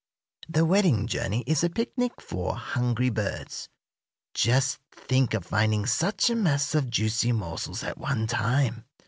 The wedding journey is a picnic for hungry birds. Just think of finding such a mass of juicy morsels at one time.